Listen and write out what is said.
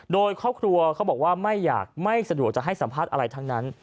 โดยครอบครัวเขาบอกว่าไม่อยากไม่สะดวกจะให้สัมภาษณ์อะไรทั้งนั้น